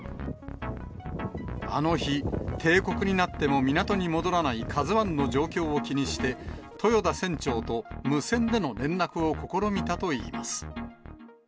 あの日、定刻になっても港に戻らないカズワンの状況を気にして、豊田船長と無線での連絡を試みたといいます。